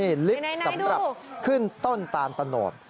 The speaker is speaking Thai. นี่ลิฟต์สำหรับขึ้นต้นตาลตะโนด